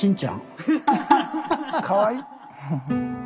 かわいい！